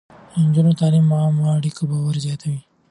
د نجونو تعليم د عامه اړيکو باور زياتوي.